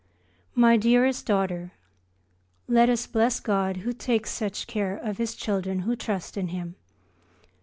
MY DEAREST DAUGHTER, Let us bless God who takes such care of His children who trust in Him.